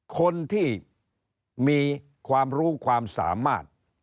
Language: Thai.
คนที่มีความรู้ความสามารถ